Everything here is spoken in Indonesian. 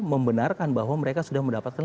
membenarkan bahwa mereka sudah mendapatkan